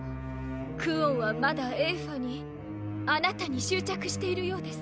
クオンはまだエーファにあなたに執着しているようです。